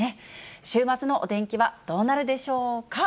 週末のお天気はどうなるでしょうか。